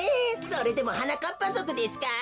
それでもはなかっぱぞくですか？